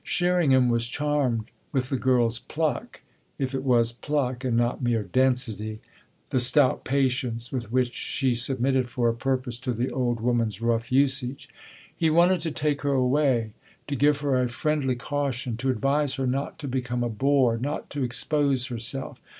Sherringham was charmed with the girl's pluck if it was pluck and not mere density; the stout patience with which she submitted, for a purpose, to the old woman's rough usage. He wanted to take her away, to give her a friendly caution, to advise her not to become a bore, not to expose herself.